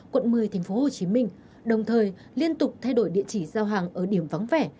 quận một mươi tp hcm đồng thời liên tục thay đổi địa chỉ giao hàng ở điểm vắng vẻ